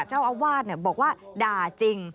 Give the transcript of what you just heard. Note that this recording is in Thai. เจ้าอาวาทเนี่ยบอกว่าด่าจริง